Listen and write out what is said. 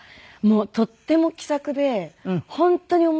とっても気さくで本当に面白い方でしたね。